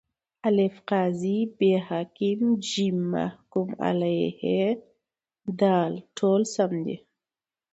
الف: قاضي ب: حاکم ج: محکوم علیه د: ټوله سم دي.